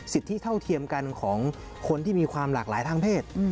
เท่าเทียมกันของคนที่มีความหลากหลายทางเพศ